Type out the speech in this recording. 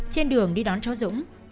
trên đường đi đón cháu dũng